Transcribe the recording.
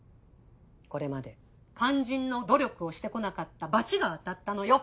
これまで肝心の努力をしてこなかった罰が当たったのよ。